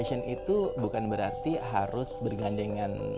fashion itu bukan berarti harus bergantian dengan tangan